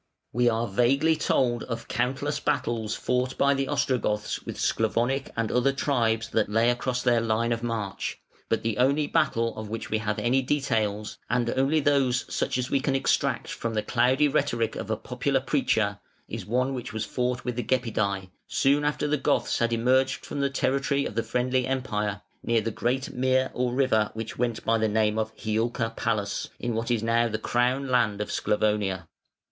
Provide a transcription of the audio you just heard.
We are vaguely told of countless battles fought by the Ostrogoths with Sclavonic and other tribes that lay across their line of march, but the only battle of which we have any details (and those only such as we can extract from the cloudy rhetoric of a popular preacher) is one which was fought with the Gepidse, soon after the Goths had emerged from the territory of the friendly Empire, near the great mere or river which went by the name of Hiulca Palus, in what is now the crown land of Sclavonia.